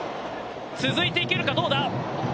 続いていけるかどうか、どうだ。